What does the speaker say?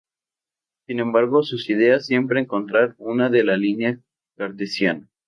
Sin embargo, sus ideas siempre encontrar una en la línea cartesiana.